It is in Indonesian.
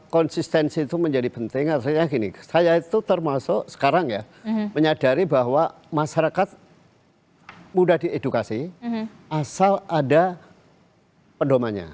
konsistensi itu menjadi penting artinya gini saya itu termasuk sekarang ya menyadari bahwa masyarakat mudah diedukasi asal ada pendomanya